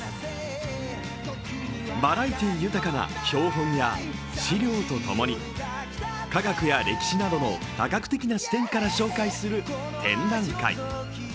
バラエティー豊かな標本や資料と共に科学や歴史などの多角的な視点から紹介する展覧会委。